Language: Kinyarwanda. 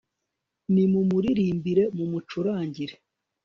nimumuririmbire, mumucurangire